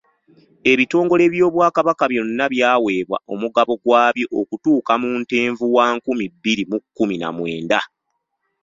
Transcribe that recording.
Ebitongole by’Obwakabaka byonna byaweebwa omugabo gwabyo okutuuka mu Ntenvu wa nkumi bbiri mu kkumi na mwenda.